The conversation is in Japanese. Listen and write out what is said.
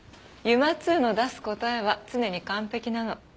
ＵＭＡ−Ⅱの出す答えは常に完璧なの。